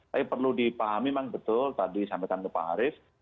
tapi perlu dipahami memang betul tadi sampaikan ke pak arief